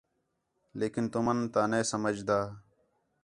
لیکن تُمن تا نے سمجھدا